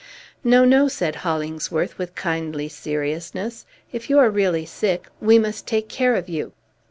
"No, no!" said Hollingsworth with kindly seriousness. "If you are really sick, we must take care of you."